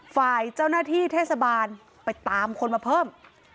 ฝ่ายเจ้าหน้าที่เทศบาลไปตามคนมาเพิ่ม